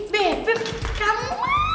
beb beb kamu